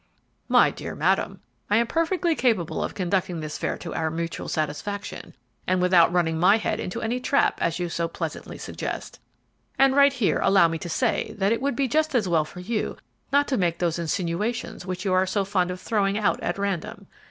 "My dear madam, I am perfectly capable of conducting this affair to our mutual satisfaction and without running my head into any trap, as you so pleasantly suggest. And right here allow me to say that it would be just as well for you not to make those insinuations which you are so fond of throwing out at random.